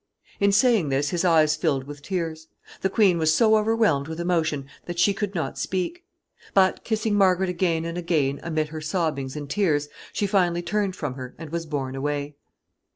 In saying this his eyes filled with tears. The queen was so overwhelmed with emotion that she could not speak; but, kissing Margaret again and again amid her sobbings and tears, she finally turned from her and was borne away.